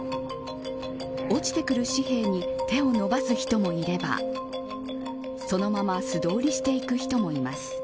落ちてくる紙幣に手を伸ばす人もいればそのまま素通りしていく人もいます。